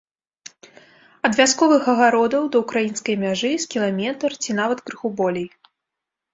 Ад вясковых агародаў да ўкраінскай мяжы з кіламетр ці нават крыху болей.